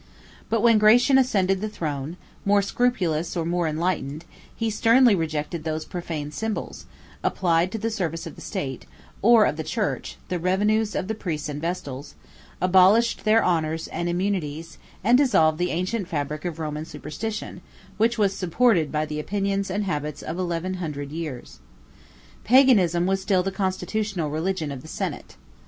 But when Gratian ascended the throne, more scrupulous or more enlightened, he sternly rejected those profane symbols; 6 applied to the service of the state, or of the church, the revenues of the priests and vestals; abolished their honors and immunities; and dissolved the ancient fabric of Roman superstition, which was supported by the opinions and habits of eleven hundred years. Paganism was still the constitutional religion of the senate.